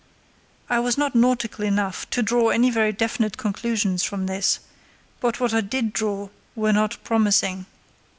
I was not nautical enough to draw any very definite conclusions from this, but what I did draw were not promising.